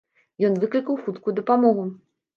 Ён выклікаў хуткую дапамогу.